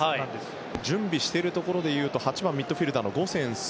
準備しているところでいうと８番、ミッドフィールダーのゴセンス。